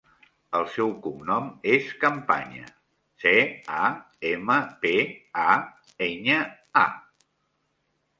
El seu cognom és Campaña: ce, a, ema, pe, a, enya, a.